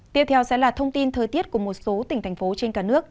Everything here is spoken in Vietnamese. tiếp theo sẽ là thông tin thời tiết của một số tỉnh thành phố trên cả nước